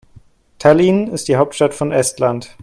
Tallinn ist die Hauptstadt von Estland.